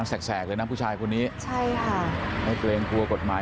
แสกเลยนะผู้ชายคนนี้ใช่ค่ะไม่เกรงกลัวกฎหมาย